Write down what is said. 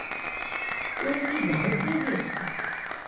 ওরা কি গায়েব হয়ে গিয়েছে?